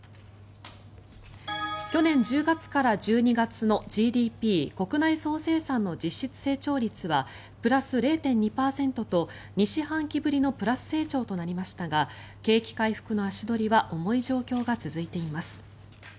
去年１０月から１２月のＧＤＰ・国内総生産の実質成長率はプラス０．２％と２四半期ぶりのプラス成長となりましたが景気回復の足取りは重い状況が続いています。